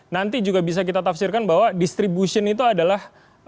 nanti juga bisa kita tafsirkan bahwa distribution itu adalah